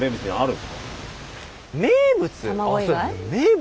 名物？